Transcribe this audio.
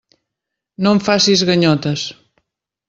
No em facis ganyotes.